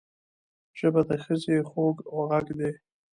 ژبه د ښځې خوږ غږ دی